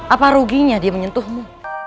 apa ruginya dia menyentuhmu